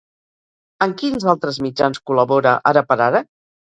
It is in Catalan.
En quins altres mitjans col·labora ara per ara?